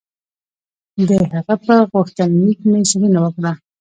د هغه په غوښتنلیک مې څېړنه وکړه.